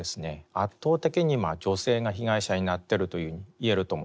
圧倒的に女性が被害者になっているというふうに言えると思うんですね。